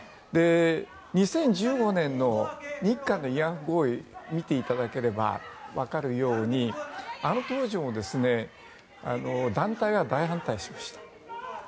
２０１５年の日韓の慰安婦合意を見ていただければわかるようにあの当時も団体が大反対しました。